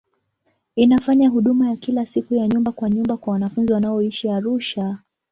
Inafanya huduma ya kila siku ya nyumba kwa nyumba kwa wanafunzi wanaoishi Arusha.